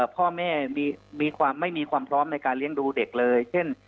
พ่อแม่มีความไม่มีความพร้อมในการเลี้ยงดูเด็กเลยเช่น